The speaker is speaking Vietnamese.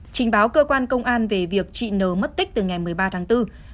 trình báo cơ quan công an về việc trị nở mất tích từ ngày một mươi ba tháng bốn